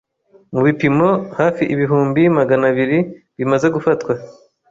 mu bipimo hafi ibihumbi Magana abiri bimaze gufatwa,